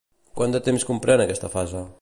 Quant de temps comprèn aquesta fase?